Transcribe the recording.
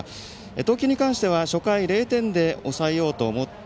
投球に関しては初回０点で抑えようと思い